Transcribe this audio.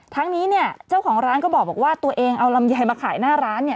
ทั้งนี้เจ้าของร้านก็บอกว่าตัวเองเอารำไยมาขายหน้าร้าน